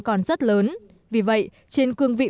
còn rất lớn vì vậy trên cương vị